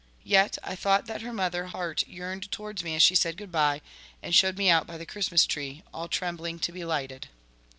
Yet I thought that her mother heart yearned toward me as she said "Good bye," and showed me out by the Christmas tree, all trembling to be lighted.